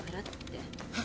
って。